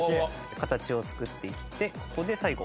形を作っていってここで最後。